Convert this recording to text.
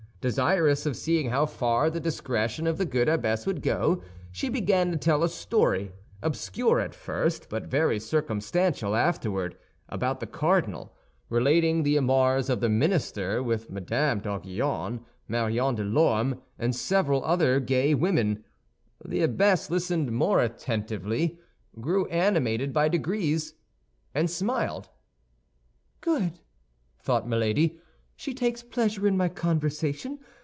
Desirous of seeing how far the discretion of the good abbess would go, she began to tell a story, obscure at first, but very circumstantial afterward, about the cardinal, relating the amours of the minister with Mme. d'Aiguillon, Marion de Lorme, and several other gay women. The abbess listened more attentively, grew animated by degrees, and smiled. "Good," thought Milady; "she takes a pleasure in my conversation.